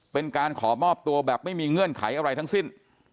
เป็นการขอมอบตัวแบบไม่มีเงื่อนไขอะไรทั้งสิ้น